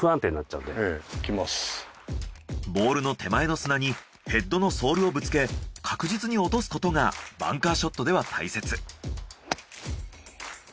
ボールの手前の砂にヘッドのソールをぶつけ確実に落とすことがバンカーショットでは大切。